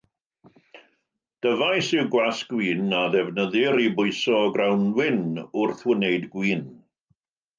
Dyfais yw gwasg win a ddefnyddir i bwyso grawnwin wrth wneud gwin.